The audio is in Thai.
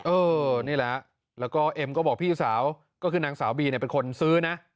เออนี่แหละแล้วก็เอ็มก็บอกพี่สาวก็คือนางสาวบีเนี่ยเป็นคนซื้อนะ